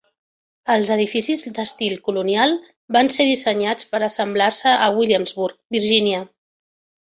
Els edificis d'estil colonial van ser dissenyats per assemblar-se a Williamsburg, Virginia.